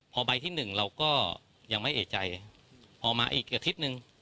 พอใบที่หนึ่งเราก็ยังไม่เอกใจพอมาอีกอาทิตย์หนึ่ง